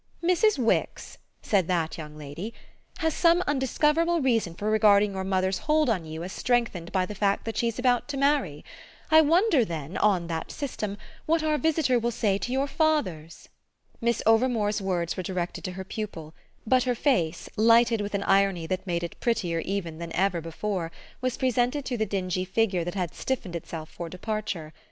"Mrs. Wix," said that young lady, "has some undiscoverable reason for regarding your mother's hold on you as strengthened by the fact that she's about to marry. I wonder then on that system what our visitor will say to your father's." Miss Overmore's words were directed to her pupil, but her face, lighted with an irony that made it prettier even than ever before, was presented to the dingy figure that had stiffened itself for departure.